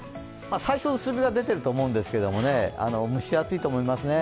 最初、薄日が出ていると思いますが、蒸し暑いと思いますね。